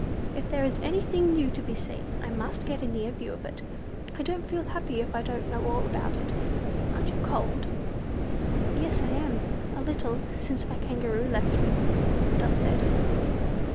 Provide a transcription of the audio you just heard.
If there is anything new to be seen, I must get a near view of it. I don't feel happy if I don't know all about it. Aren't you cold?" "Yes, I am, a little, since my Kangaroo left me," Dot said.